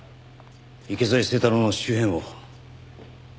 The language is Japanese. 池添清太郎の周辺を。